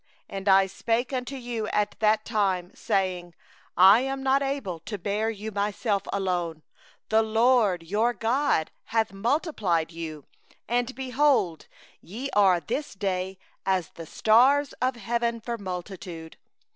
9And I spoke unto you at that time, saying: 'I am not able to bear you myself alone; 10the LORD your God hath multiplied you, and, behold, ye are this day as the stars of heaven for multitude.